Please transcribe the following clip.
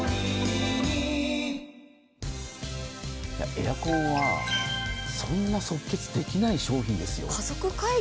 エアコンはそんな即決できない商品ですよ。